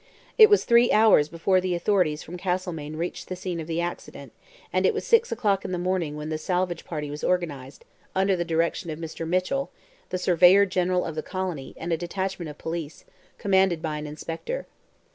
It was three hours before the authorities from Castlemaine reached the scene of the accident, and it was six o'clock in the morning when the salvage party was organized, under the direction of Mr. Mitchell, the surveyor general of the colony, and a detachment of police, commanded by an inspector.